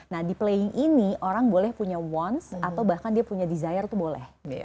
nah di playing ini orang boleh punya wants atau bahkan dia punya desire itu boleh